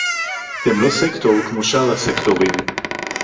הם לא סקטור כמו שאר הסקטורים